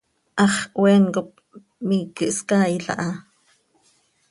Hax hoeen cop miiqui hscaail aha.